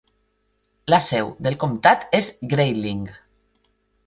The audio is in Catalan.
La seu del comtat és Grayling.